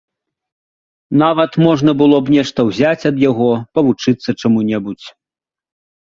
Нават можна было б нешта ўзяць ад яго, павучыцца чаму-небудзь.